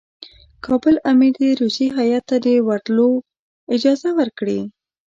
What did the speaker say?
کابل امیر دي روسي هیات ته د ورتلو اجازه ورکړي.